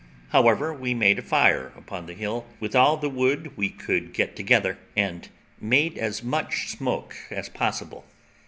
However, we made a fire upon the hill, with all the wood we could get together, and made as much smoke as possible.